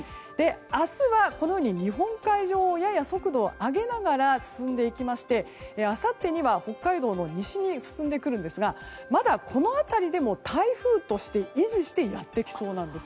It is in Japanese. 明日は日本海上をやや速度を上げながら進んでいきましてあさってには北海道の西に進んでくるんですがまだ、この辺りでも台風として維持してやってきそうなんです。